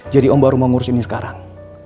jadi om baru mau ngurus ini sekarang